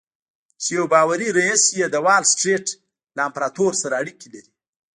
چې يو باوري رييس يې د وال سټريټ له امپراتور سره اړيکې لري.